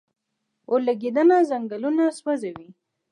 اورلګیدنه ځنګلونه سوځوي